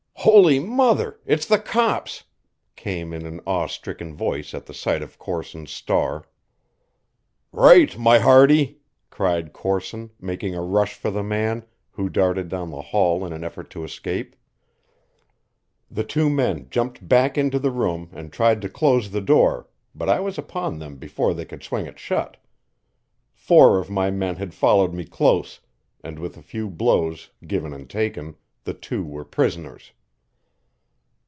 "Holy Mother! it's the cops!" came in an awe stricken voice at the sight of Corson's star. "Right, my hearty!" cried Corson, making a rush for the man, who darted down the hall in an effort to escape. The two men jumped back into the room and tried to close the door, but I was upon them before they could swing it shut. Four of my men had followed me close, and with a few blows given and taken, the two were prisoners.